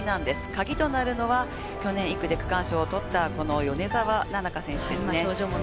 カギとなるのは去年、１区で区間賞を取った、この米澤奈々香選手ですね。